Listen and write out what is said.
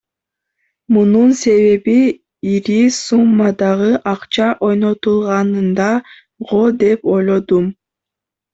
Мунун себеби ири суммадагы акча ойнотулганында го деп ойлодум.